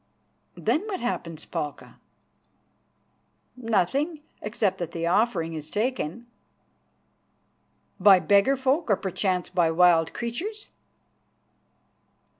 "Then what happens, Palka?" "Nothing, except that the offering is taken." "By beggar folk, or perchance by wild creatures!"